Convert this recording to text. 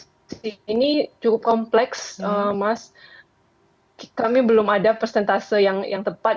inventarisasi emisi ini cukup kompleks mas kami belum ada persentase yang tepat